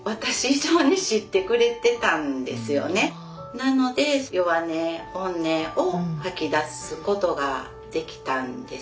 なので弱音本音を吐き出すことができたんですよね。